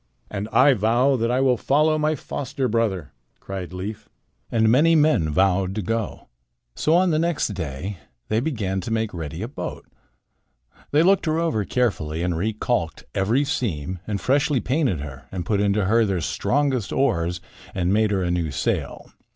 "And I vow that I will follow my foster brother," cried Leif. And many men vowed to go. So on the next day they began to make ready a boat. They looked her over carefully and recalked every seam and freshly painted her and put into her their strongest oars and made her a new sail.